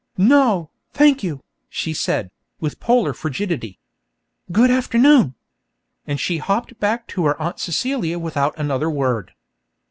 'No, thank you,' she said, with polar frigidity. 'Good afternoon.' And she hopped back to her Aunt Celia without another word.